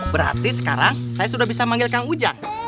berarti sekarang saya sudah bisa manggil kang ujang